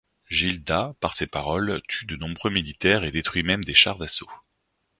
Gilda, par ses paroles, tue de nombreux militaires et détruit même des chars d'assaut.